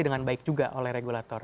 dengan baik juga oleh regulator